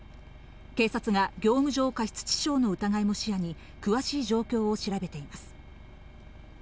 警察が業務上過失致傷の疑いも視野に、詳しい状況を調べています。